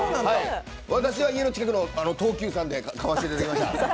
私は家の近くの東急さんで買わせていただきました。